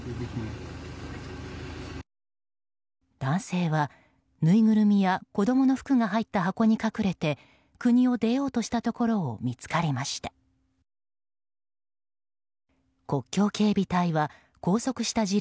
男性は、ぬいぐるみや子供の服が入った箱に隠れて国を出ようとしたところを見つかりました。